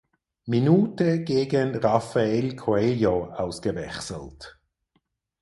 Minute gegen Rafael Coelho ausgewechselt.